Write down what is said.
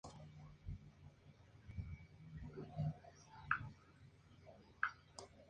Varios han sido los circuitos donde se ha disputado el Gran Premio de Francia.